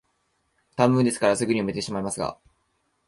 短文ですから、すぐに読めてしまいますが、